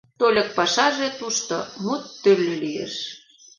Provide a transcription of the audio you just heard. Тольык пашаже тушто: мут тӱрлӧ лиеш.